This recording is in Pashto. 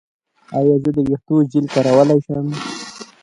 ایا زه د ویښتو جیل کارولی شم؟